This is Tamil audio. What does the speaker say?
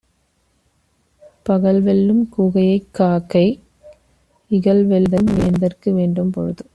பகல்வெல்லும் கூகையைக் காக்கை, இகல்வெல்லும் வேந்தர்க்கு வேண்டும் பொழுது.